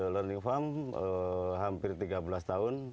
learning farm hampir tiga belas tahun